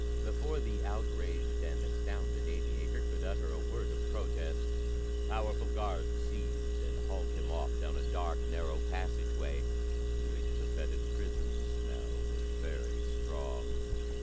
Before the outraged and astounded aviator could utter a word of protest, powerful guards seized and hauled him off down a dark, narrow passageway in which the fetid prison smell was very strong.